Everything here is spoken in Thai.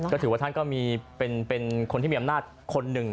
ก็ถือว่าท่านก็มีเป็นคนที่มีอำนาจคนหนึ่ง